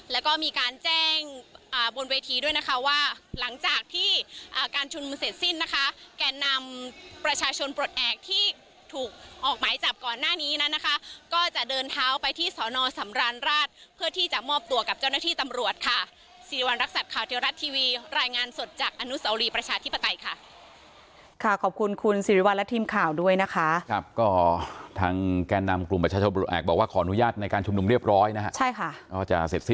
แล้วก็มีการแจ้งบนเวทีด้วยนะคะว่าหลังจากที่การชุมเสร็จสิ้นนะคะแก่นำประชาชนปลดแอบที่ถูกออกไม้จับก่อนหน้านี้นั่นนะคะก็จะเดินเท้าไปที่สนสำรรรณราชเพื่อที่จะมอบตัวกับเจ้าหน้าที่ตำรวจค่ะสีริวัณรักษัตริย์ข่าวเทวรัตทีวี